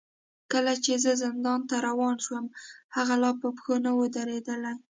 کله چې زه زندان ته روان شوم، هغه لا په پښو نه و درېدلی.